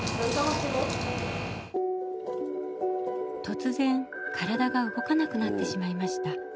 とつぜん体が動かなくなってしまいました。